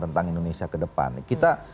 tentang indonesia ke depan kita